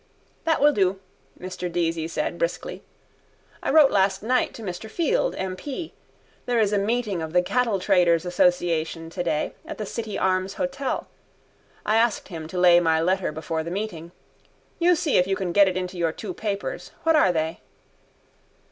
—That will do, Mr Deasy said briskly. I wrote last night to Mr Field, M.P. There is a meeting of the cattletraders' association today at the City Arms hotel. I asked him to lay my letter before the meeting. You see if you can get it into your two papers. What are they?